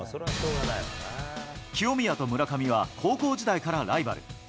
清宮と村上は高校時代からライバル。